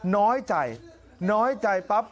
น้อยใจน้อยใจปั๊บ